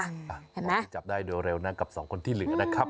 เห็นไหมที่จับได้โดยเร็วนะกับสองคนที่เหลือนะครับ